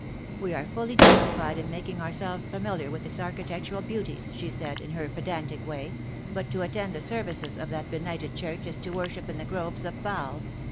' We are fully justified in making ourselves familiar with its architectural beauties,' she said, in her pedantic way, ' but to attend the services of that benighted Church is to worship in the gyoves of Baal.'